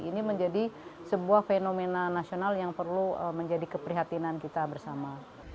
ini menjadi sebuah fenomena nasional yang perlu menjadi keprihatinan kita bersama